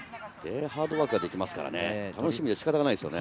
ハードワークができますからね、楽しみで仕方ないです。